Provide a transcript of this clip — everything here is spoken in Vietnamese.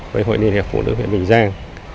với hội liên hiệp phụ nữ việt bình giang